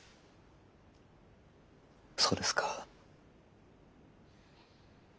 そうですか。